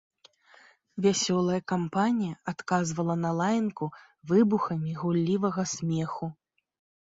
Вясёлая кампанія адказвала на лаянку выбухамі гуллівага смеху.